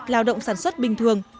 lao động sản xuất bình thường